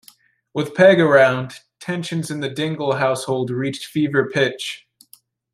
With Peg around, tensions in the Dingle household reached fever pitch.